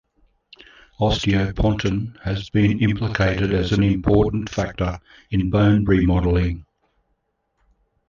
Osteopontin has been implicated as an important factor in bone remodeling.